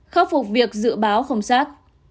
khắc phục việc dự báo không xác